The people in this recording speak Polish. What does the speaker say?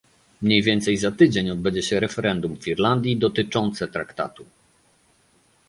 Mniej więcej za tydzień odbędzie się referendum w Irlandii dotyczące Traktatu